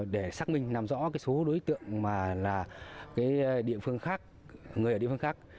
để xác minh làm rõ số đối tượng người ở địa phương khác